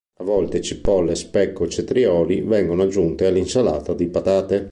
A volte cipolle, speck o cetrioli vengono aggiunti all'insalata di patate.